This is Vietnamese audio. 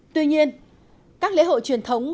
tuy nhiên các lễ hội truyền thống